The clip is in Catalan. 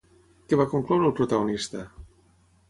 Què va concloure el protagonista?